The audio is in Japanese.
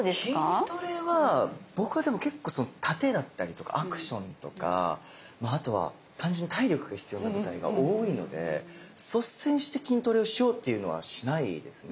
筋トレは僕は殺陣だったりとかアクションとか単純に体力が必要な舞台が多いので率先して筋トレをしようっていうのはしないですね